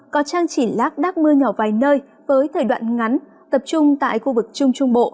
có chăng chỉ lác đác mưa nhỏ vài nơi với thời đoạn ngắn tập trung tại khu vực trung trung bộ